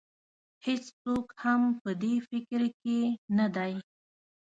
هېڅوک هم په دې فکر کې نه دی.